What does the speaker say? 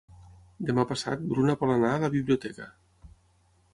Demà passat na Bruna vol anar a la biblioteca.